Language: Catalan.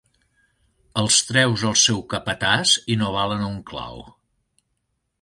Els treus al seu capatàs i no valen un clau.